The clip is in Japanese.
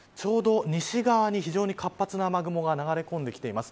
ちょうど西側に非常に活発な雨雲が流れ込んできています。